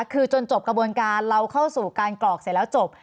คือจนจบกระบวนการเราเข้าสู่การกรอกเสร็จแล้วจบ